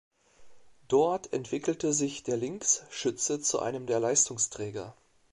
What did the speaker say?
Dort entwickelte sich der Linksschütze zu einem der Leistungsträger.